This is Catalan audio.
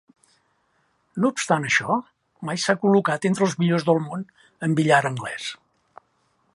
No obstant això, mai s'ha col·locat entre els millors del món en billar anglès.